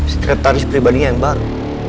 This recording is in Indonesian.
sekretaris pribadinya yang baru